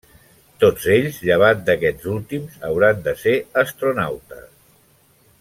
Tots ells, llevat d'aquests últims, hauran de ser astronautes.